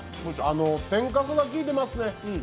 天かすが効いてますね。